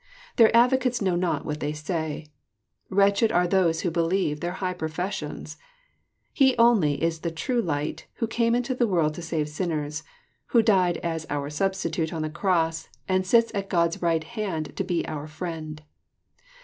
Their advocates know not what they say. Wretched are those who believe their high professions I He only is the true light who came into the world to save sinners, who died as our substitute on the cross, and sits at God's right hand to be our Friend.